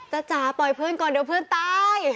จ๋าปล่อยเพื่อนก่อนเดี๋ยวเพื่อนตาย